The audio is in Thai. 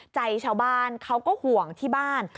ใจชาวบ้านเขาก็ห่วงที่บ้าน